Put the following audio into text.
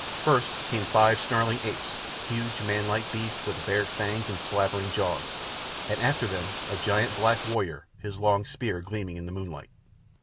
First came five snarling apes, huge, manlike beasts, with bared fangs and slavering jaws; and after them a giant black warrior, his long spear gleaming in the moonlight.